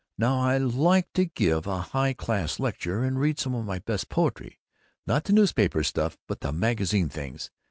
Now, I like to give a high class lecture, and read some of my best poetry not the newspaper stuff but the magazine things.